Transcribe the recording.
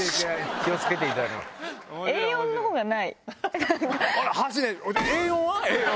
気を付けていただいて。